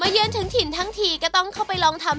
เยือนถึงถิ่นทั้งทีก็ต้องเข้าไปลองทำ